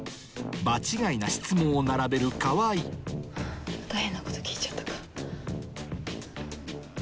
場違いな質問を並べる川合また変なこと聞いちゃったか。